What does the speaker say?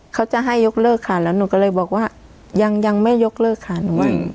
เขาจะให้ยกเลิกค่ะแล้วหนูก็เลยบอกว่ายังไม่ยกเลิกค่ะหนูว่า